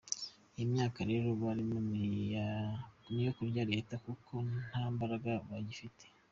Iyi myaka rero barimo ni iyo kurya leta kuko nta mbaraga bagifite.